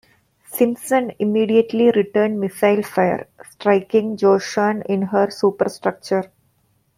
"Simpson" immediately returned missile fire, striking "Joshan" in her superstructure.